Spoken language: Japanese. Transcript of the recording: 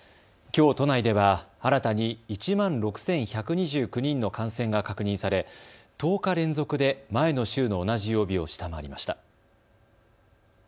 きょう都内では新たに１万６１２９人の感染が確認され１０日連続で前の週の同じ曜日を下回りました。